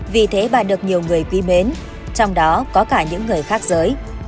vì thế bà được nhiều người quý mến trong đó có cả những người khác giới